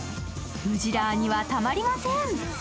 ムジラーにはたまりません。